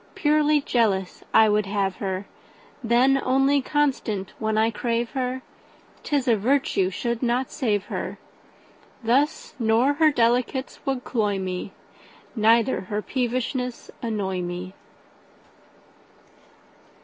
Purely jealous I would have her; Then only constant when I crave her,'Tis a virtue should not save her. Thus, nor her delicates would cloy me, Neither her peevishness annoy me.